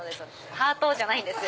ハートじゃないんですよ。